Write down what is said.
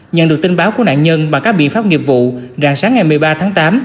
nhận được tin báo của nạn nhân bằng các biện pháp nghiệp vụ rạng sáng ngày một mươi ba tháng tám